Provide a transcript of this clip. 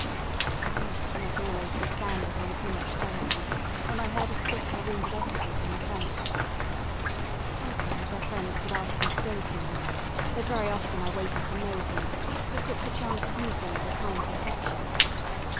I used not always to stand upon too much ceremony when I heard of sick or wounded officers in the front. Sometimes their friends would ask me to go to them, though very often I waited for no hint, but took the chance of meeting with a kind reception.